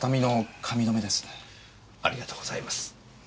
ありがとうございます。